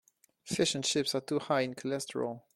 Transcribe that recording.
Fish and chips are too high in cholesterol.